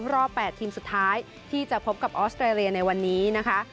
รอบ๘ทีมสุดท้ายที่จะพบกับออสเตรเลียในวันนี้นะคะ